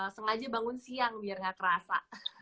sengaja bangun siang biar gak kerasa